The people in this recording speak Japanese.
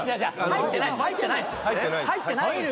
入ってないの？